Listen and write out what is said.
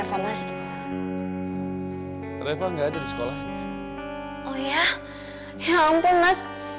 oh ya ya ampun mas